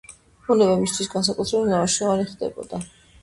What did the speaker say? ბუნება მისთვის განსაკუთრებით მრავალმნიშვნელოვანი ხდებოდა.